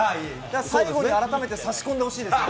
最後に改めて差し込んでほしいですね。